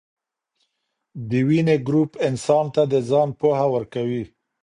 دویني ګروپ انسان ته د ځان پوهه ورکوي.